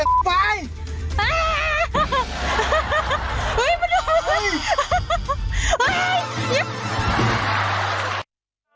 แย่แล้ว